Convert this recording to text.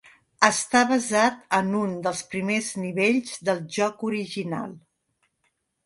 Està basat en un dels primers nivells del joc original.